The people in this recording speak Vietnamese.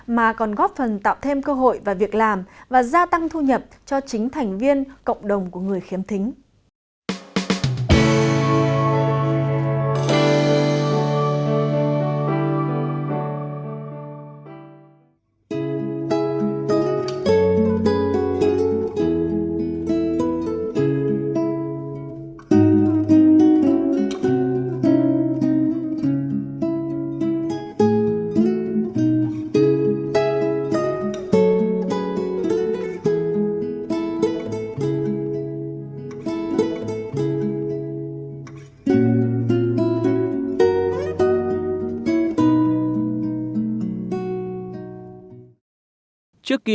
mà còn góp phần tạo thêm cơ hội và việc làm và gia tăng thu nhập cho chính thành viên cộng đồng của người khiếm thính